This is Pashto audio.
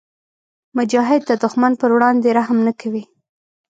مجاهد د دښمن پر وړاندې رحم نه کوي.